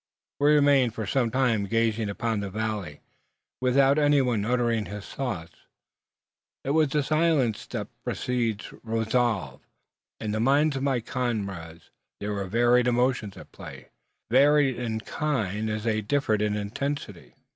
We remained for some time gazing up the valley, without anyone uttering his thoughts. It was the silence that precedes resolve. In the minds of my companions there were varied emotions at play, varied in kind as they differed in intensity.